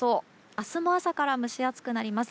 明日も朝から蒸し暑くなります。